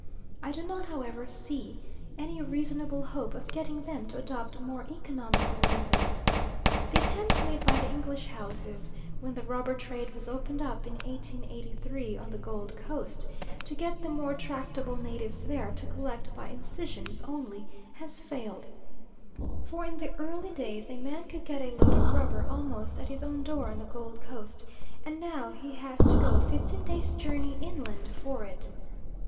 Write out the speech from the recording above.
I do not, however, see any reasonable hope of getting them to adopt more economical methods. The attempt made by the English houses, when the rubber trade was opened up in 1883 on the Gold Coast, to get the more tractable natives there to collect by incisions only, has failed; for in the early days a man could get a load of rubber almost at his own door on the Gold Coast, and now he has to go fifteen days' journey inland for it.